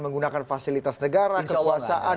menggunakan fasilitas negara kekuasaan